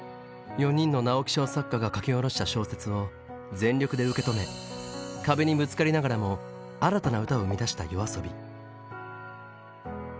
４人の直木賞作家が書き下ろした小説を全力で受け止め壁にぶつかりながらも新たな歌を生み出したＹＯＡＳＯＢＩ。